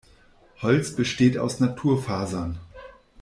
Holz besteht aus Naturfasern.